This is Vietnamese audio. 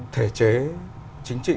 thể chế chính trị